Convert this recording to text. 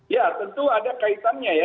ya tentu ada kaitannya ya